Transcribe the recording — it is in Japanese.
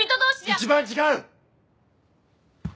一番違う！